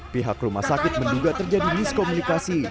pihak rumah sakit menduga terjadi miskomunikasi